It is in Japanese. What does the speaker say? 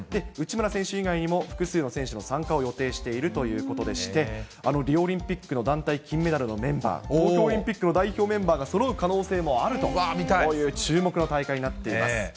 内村選手以外にも複数の選手の参加を予定しているということでして、リオオリンピックの団体金メダルのメンバー、東京オリンピックの代表メンバーがそろう可能性もあるという、注目の大会になっています。